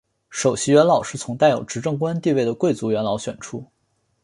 首席元老是从带有执政官的地位的贵族元老选出。